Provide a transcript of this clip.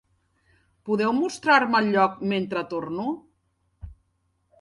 Podeu mostrar-me el lloc mentre torno?